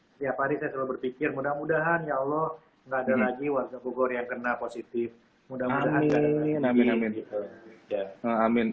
setiap hari saya selalu berpikir mudah mudahan ya allah nggak ada lagi warga bogor yang kena positif mudah mudahan gitu